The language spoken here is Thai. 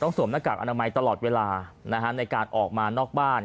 สวมหน้ากากอนามัยตลอดเวลาในการออกมานอกบ้าน